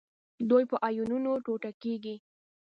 دوی په آیونونو ټوټه کیږي.